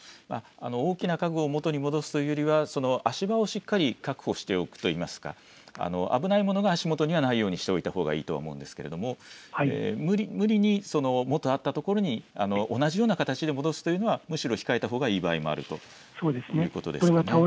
大きな家具を元に戻すというよりは足場をしっかり確保しておくといいますか、危ないものが足元にないようにしておくようにしたほうがいいと思うんですが無理に元あったところに同じような形で戻すというのはむしろ控えたほうがいい場合もあるということですね。